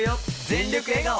全力笑顔。